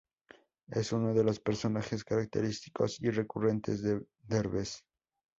Es uno de los personajes característicos y recurrentes de Derbez.